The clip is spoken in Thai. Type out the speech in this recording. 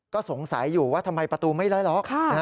ก็สงสัยอยู่ว่าทำไมประตูไม่ไล่ล็อก